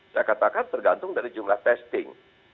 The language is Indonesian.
saya katakan tergantung dari jumlah testing